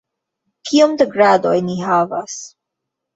Kiom da gradoj ni havas?